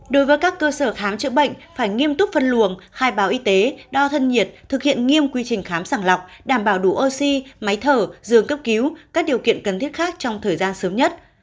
đối với các cơ sở khám chữa bệnh phải nghiêm túc phân luồng khai báo y tế đo thân nhiệt thực hiện nghiêm quy trình khám sàng lọc đảm bảo đủ oxy máy thở dường cấp cứu các điều kiện cần thiết khác trong thời gian sớm nhất